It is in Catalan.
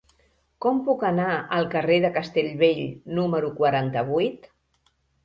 Com puc anar al carrer de Castellbell número quaranta-vuit?